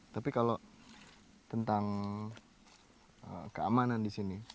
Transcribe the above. tapi kalau tentang keamanan di sini